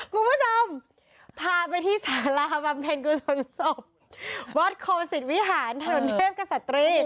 กูไม่ทำพาไปที่สาราบำเพ็ญกุศลศพบอสโคสิตวิหารถนนเทพกษัตริย์